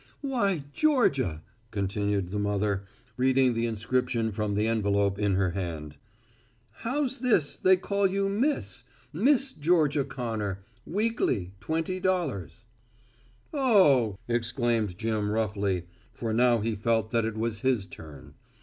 "Why, Georgia," continued the mother, reading the inscription from the envelope in her hand, "how's this, they call you 'Miss,' Miss Georgia Connor weekly twenty dollars." "Oh ho," exclaimed Jim roughly, for now he felt that it was his turn.